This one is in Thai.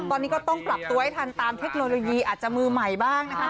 ตอนนี้ก็ต้องปรับตัวให้ทันตามเทคโนโลยีอาจจะมือใหม่บ้างนะคะ